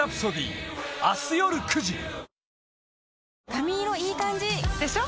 髪色いい感じ！でしょ？